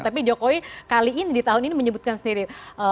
tapi jokowi kali ini di tahun ini menyebutkan sendiri